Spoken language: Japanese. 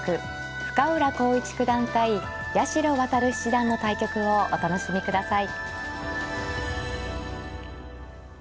深浦康市九段対八代弥七段の対局をお楽しみください。